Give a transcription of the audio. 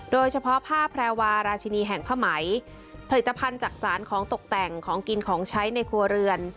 โดยเฉพาะผ้าแพรวาราชินีแห่งผ้าไหมผลิตภัณฑ์จักษานของตกแต่งของกินของใช้ในครัวเรือน